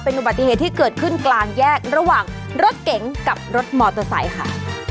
อุบัติเหตุที่เกิดขึ้นกลางแยกระหว่างรถเก๋งกับรถมอเตอร์ไซค์ค่ะ